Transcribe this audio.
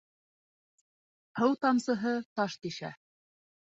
Һыу тамсыһы таш тишә.